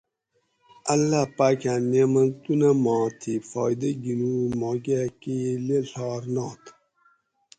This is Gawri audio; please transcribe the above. اللّہ پاکاں نعمتونہ ما تھی فائیدہ گِھنوگ ماکہ کئی لیڷار نات